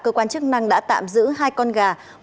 cơ quan chức năng đã tạm giữ hai con gà